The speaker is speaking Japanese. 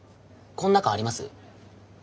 こん中あります？